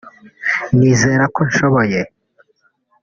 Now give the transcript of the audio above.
nizera ko nshoboye